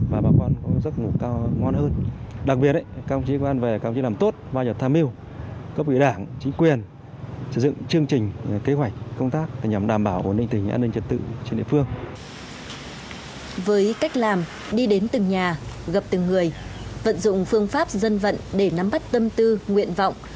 với cách làm đi đến từng nhà gặp từng người vận dụng phương pháp dân vận để nắm bắt tâm tư nguyện vọng